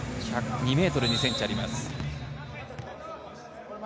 ２ｍ２ｃｍあります。